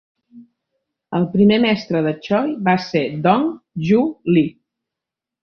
El primer mestre de Choi va ser Dong Ju Lee.